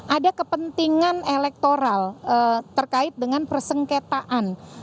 ada kepentingan elektoral terkait dengan persengketaan